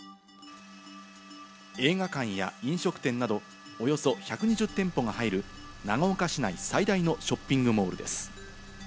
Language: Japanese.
映画館や飲食店など、およそ１２０店舗が入る長岡市内最大のショッピングモールです。